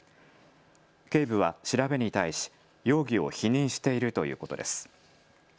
警部は調べに対し容疑を否認しているということです。